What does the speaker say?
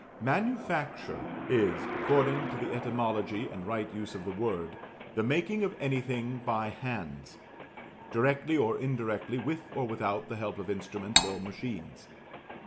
"MANUFACTURE" is, according to the etymology and right use of the word, "the making of anything by hands," directly or indirectly, with or without the help of instruments or machines.